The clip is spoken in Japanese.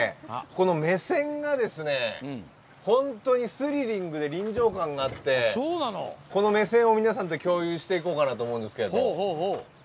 この目線が本当にスリリングで臨場感があってこの目線を皆さんと共有しようと思うんですが。